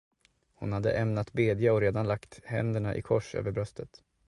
Hon hade ämnat bedja och redan lagt händerna i kors över bröstet.